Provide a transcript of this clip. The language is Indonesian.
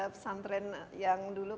pesan tren yang dulu